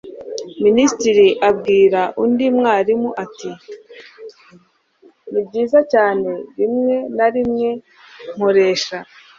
minisitiri abwira undi mwarimu ati 'nibyiza cyane. rimwe na rimwe nkoresha